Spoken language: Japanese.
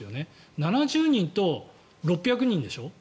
７０人と６００人でしょ。